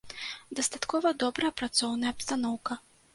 Дастаткова добрая працоўная абстаноўка.